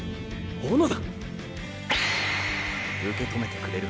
小野田！